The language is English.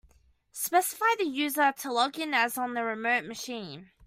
Specify the user to log in as on the remote machine.